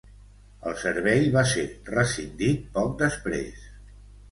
El servei va ser rescindit poc després.